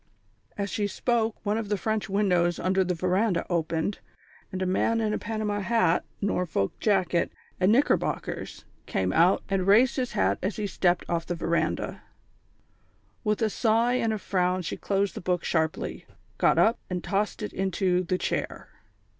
As she spoke, one of the French windows under the verandah opened, and a man in a panama hat, Norfolk jacket and knickerbockers, came out and raised his hat as he stepped off the verandah. With a sigh and a frown she closed the book sharply, got up and tossed it into the chair.